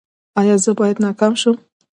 ایا زه باید ناکام شم؟